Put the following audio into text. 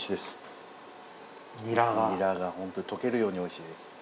ニラがホントに溶けるように美味しいです。